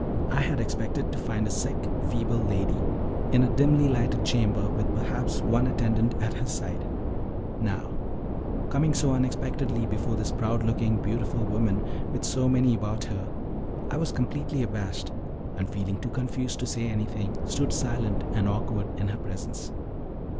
I had expected to find a sick, feeble lady, in a dimly lighted chamber, with perhaps one attendant at her side; now, coming so unexpectedly before this proud looking, beautiful woman, with so many about her, I was completely abashed, and, feeling too confused to say anything, stood silent and awkward in her presence.